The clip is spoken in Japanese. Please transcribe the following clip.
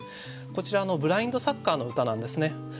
こちらあのブラインドサッカーの歌なんですね。